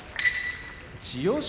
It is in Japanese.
千代翔